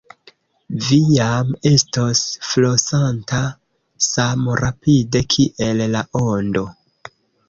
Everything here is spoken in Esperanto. Vi jam estos flosanta samrapide kiel la ondo.